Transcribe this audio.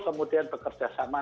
kemudian bekerja sama